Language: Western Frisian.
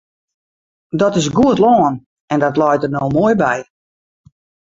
Dat is goed lân en dat leit der no moai by.